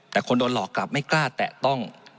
แต่คนโดนหลอกกลับไม่กล้าแตะต้อง